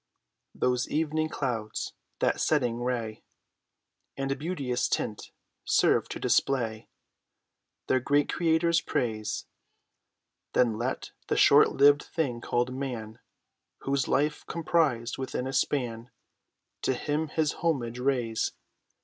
Those evening clouds, that setting ray, And beauteous tint, serve to display Their great Creator's praise; Then let the short lived thing called man, Whose life's comprised within a span, To Him his homage raise.